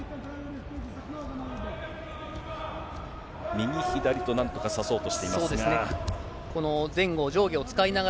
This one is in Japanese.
右、左となんとか差そうとしていますが。